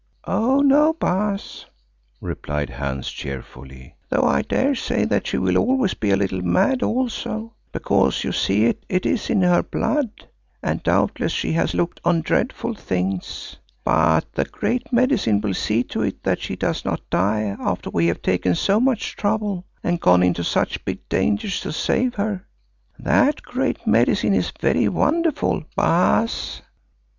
"Oh, no! Baas," replied Hans cheerfully, "though I daresay that she will always be a little mad also, because you see it is in her blood and doubtless she has looked on dreadful things. But the Great Medicine will see to it that she does not die after we have taken so much trouble and gone into such big dangers to save her. That Great Medicine is very wonderful, Baas.